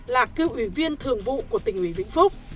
là cựu ủy viên thường vụ của tình huy vĩnh phúc